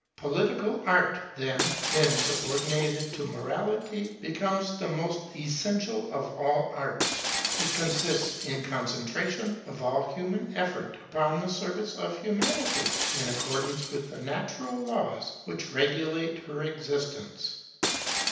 Political art, then, when subordinated to morality, becomes the most essential of all arts. It consists in concentration of all human effort upon the service of Humanity in accordance with the natural laws which regulate her existence.